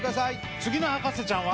次の博士ちゃんは。